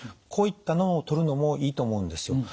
こういったのをとるのもいいと思うんですよ。